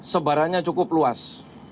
sebarannya cukup luas